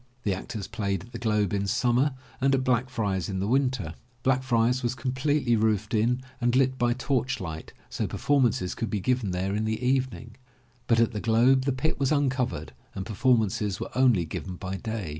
The actors played at The Globe in summer and at Black jriar's in the winter. Blackfriar's was completely roofed in and lit by torchlight so performances could be given there in the evening, but at The Globe the pit was uncovered and performances were only given by day.